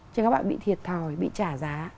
chứ các bạn bị thiệt thòi bị trả giá